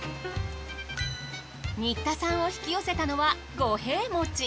新田さんを引き寄せたのは五平餅。